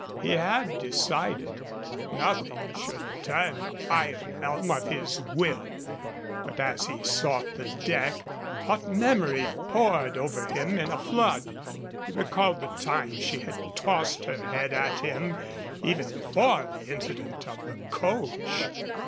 He had decided. Nothing should turn the iron helm of his will. But as he sought the deck, hot memory poured over him in a flood. He recalled the times she had tossed her head at him, even before the incident of the coach.